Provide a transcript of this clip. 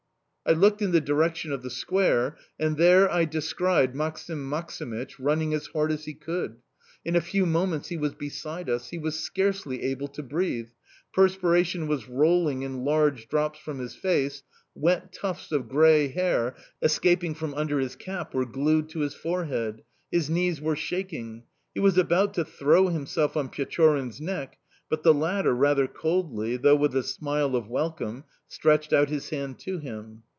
I looked in the direction of the square and there I descried Maksim Maksimych running as hard as he could. In a few moments he was beside us. He was scarcely able to breathe; perspiration was rolling in large drops from his face; wet tufts of grey hair, escaping from under his cap, were glued to his forehead; his knees were shaking... He was about to throw himself on Pechorin's neck, but the latter, rather coldly, though with a smile of welcome, stretched out his hand to him.